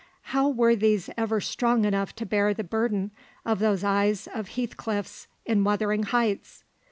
How were these ever strong enough to bear the burden of those eyes of Heathcliff's in "Wuthering Heights"?